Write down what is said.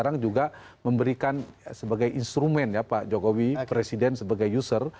sekarang juga memberikan sebagai instrumen ya pak jokowi presiden sebagai user